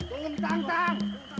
aku juga nggak tau